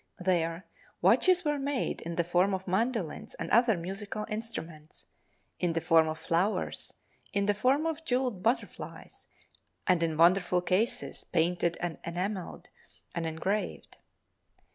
There watches were made in the form of mandolins and other musical instruments, in the form of flowers, in the form of jeweled butterflies, and in wonderful cases, painted and enameled and engraved.